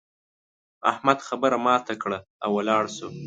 احمد خبره ماته کړه او ولاړ شو.